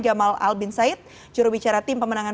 gamal albin said jurubicara tim pemenangan